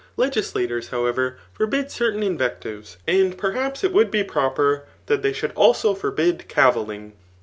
Legislators, however, forbid certain in vectives } and perhaps it would be proper that they should also forbid cavilling.